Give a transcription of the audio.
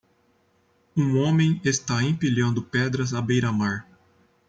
Um homem está empilhando pedras à beira-mar.